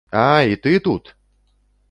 А, і ты тут!